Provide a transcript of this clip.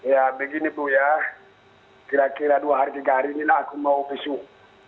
ya begini bu ya kira kira dua hari tiga hari inilah aku mau visu